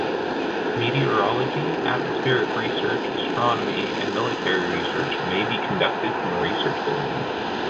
Meteorology, atmospheric research, astronomy, and military research may be conducted from a research balloon.